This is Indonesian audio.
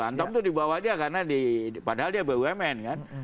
antam itu dibawa dia karena padahal dia bumn kan